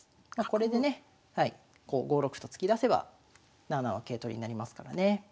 これでねこう５六歩と突き出せば７七の桂取りになりますからね。